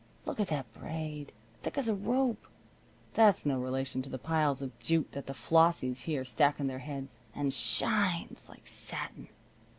Look at that braid! Thick as a rope! That's no relation to the piles of jute that the Flossies here stack on their heads. And shines! Like satin."